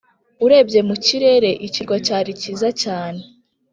urebye mu kirere, ikirwa cyari cyiza cyane.